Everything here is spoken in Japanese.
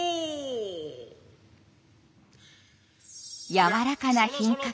やわらかな品格。